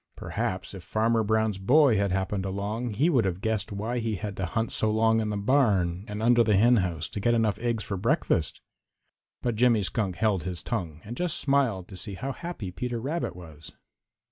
Perhaps if Farmer Brown's boy had happened along, he would have guessed why he had to hunt so long in the barn and under the henhouse to get enough eggs for breakfast. But Jimmy Skunk held his tongue and just smiled to see how happy Peter Rabbit was.